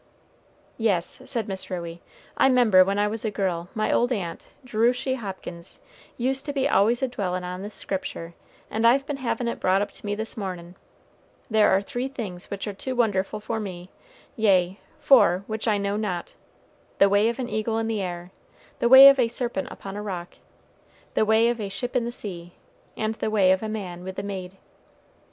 "Yes," said Miss Ruey, "I 'member when I was a girl my old aunt, Jerushy Hopkins, used to be always a dwellin' on this Scripture, and I've been havin' it brought up to me this mornin': 'There are three things which are too wonderful for me, yea, four, which I know not: the way of an eagle in the air, the way of a serpent upon a rock, the way of a ship in the sea, and the way of a man with a maid.'